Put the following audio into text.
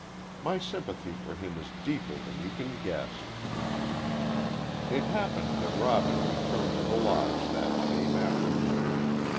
My sympathy for him is deeper than you can guess." It happened that Robin returned to the Lodge that same afternoon.